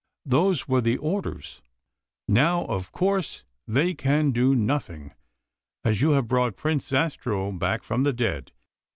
Those were the orders. Now, of course, they can do nothing, as you have brought Prince Zastrow back from the dead.